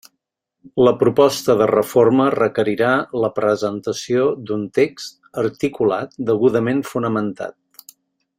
La proposta de reforma requerirà la presentació d'un text articulat degudament fonamentat.